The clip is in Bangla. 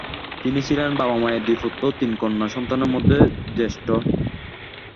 তিনি ছিলেন বাবা-মায়ের দুই পুত্র ও তিন কন্যা সন্তানের মধ্যে জ্যেষ্ঠ।